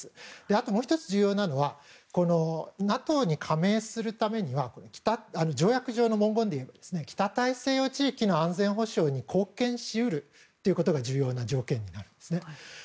あと、もう１つ重要なのがＮＡＴＯに加盟するためには条約上の文言でいうと北大西洋地域の安全保障に貢献し得るということが重要な条件になります。